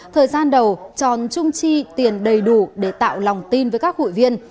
thời gian đầu tròn trung chi tiền đầy đủ để tạo lòng tin với các hội viên